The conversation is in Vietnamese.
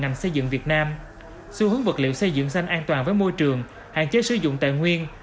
ngành xây dựng việt nam xu hướng vật liệu xây dựng xanh an toàn với môi trường hạn chế sử dụng tài nguyên